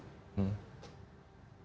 mungkin tidak banyak